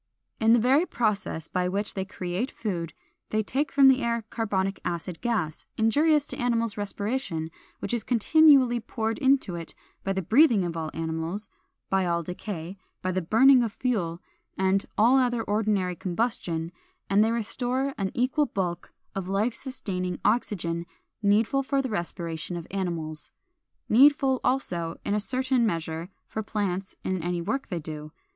_ In the very process by which they create food they take from the air carbonic acid gas, injurious to animal respiration, which is continually poured into it by the breathing of all animals, by all decay, by the burning of fuel and all other ordinary combustion; and they restore an equal bulk of life sustaining oxygen needful for the respiration of animals, needful, also, in a certain measure, for plants in any work they do.